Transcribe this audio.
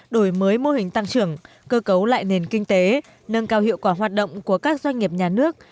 đổi mới mô hình tăng trưởng cơ cấu lại nền kinh tế nâng cao hiệu quả hoạt động của các doanh nghiệp nhà nước